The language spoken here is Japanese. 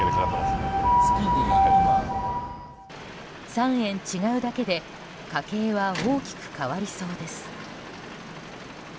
３円違うだけで家計は大きく変わりそうです。